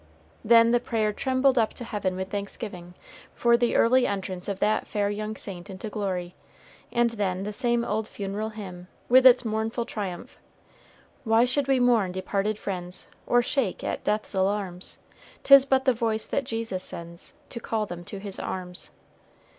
Then the prayer trembled up to heaven with thanksgiving, for the early entrance of that fair young saint into glory, and then the same old funeral hymn, with its mournful triumph: "Why should we mourn departed friends, Or shake at death's alarms, 'Tis but the voice that Jesus sends To call them to his arms."